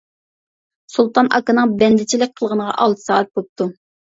سۇلتان ئاكىنىڭ بەندىچىلىك قىلغىنىغا ئالتە سائەت بوپتۇ.